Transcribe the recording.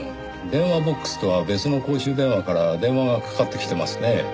電話ボックスとは別の公衆電話から電話がかかってきてますね。